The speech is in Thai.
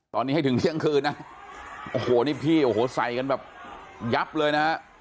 ตอนนี้ให้ถึงเที่ยงคืนนะโอ้โหนี่พี่โอ้โหใส่กันแบบยับเลยนะฮะ